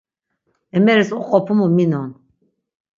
Emeris oqopumu minon.